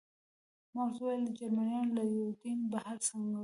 ما ورته وویل: جرمنیانو له یوډین بهر سنګرونه نیولي.